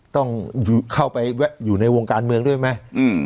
ต้องเข้าไปอยู่ในวงการเมืองด้วยไหม